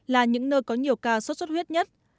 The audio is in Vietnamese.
là những nơi có nhiều ca sốt xuất huyết nhất